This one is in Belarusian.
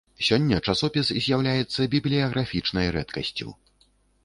Сёння часопіс з'яўляецца бібліяграфічнай рэдкасцю.